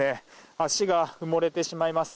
足が埋もれてしまいます。